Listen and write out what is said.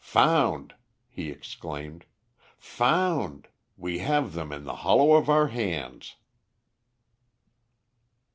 "Found!" he exclaimed, "found! We have them in the hollow of our hands."